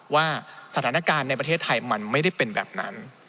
ว่าสถานการณ์ในประเทศไทยมันไม่ได้เป็นแบบนั้น